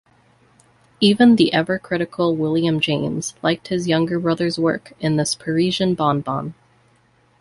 Even the ever-critical William James liked his younger brother's work in this Parisian bonbon.